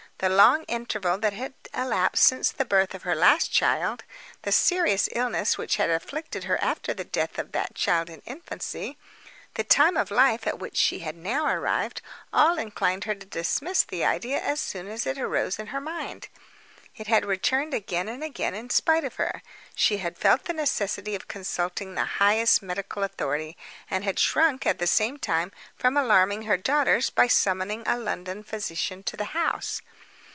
The long interval that had elapsed since the birth of her last child; the serious illness which had afflicted her after the death of that child in infancy; the time of life at which she had now arrived—all inclined her to dismiss the idea as soon as it arose in her mind. It had returned again and again in spite of her. She had felt the necessity of consulting the highest medical authority; and had shrunk, at the same time, from alarming her daughters by summoning a London physician to the house.